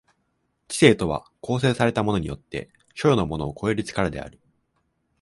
知性とは構成されたものによって所与のものを超える力である。